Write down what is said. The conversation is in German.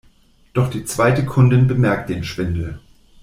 Doch die zweite Kundin bemerkt den Schwindel.